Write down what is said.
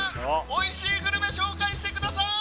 おいしいグルメ紹介してください